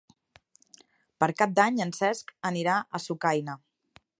Per Cap d'Any en Cesc anirà a Sucaina.